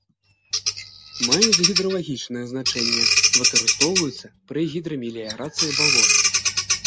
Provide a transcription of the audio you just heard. Маюць гідралагічнае значэнне, выкарыстоўваюцца пры гідрамеліярацыі балот.